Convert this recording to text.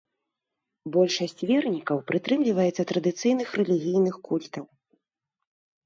Большасць вернікаў прытрымліваецца традыцыйных рэлігійных культаў.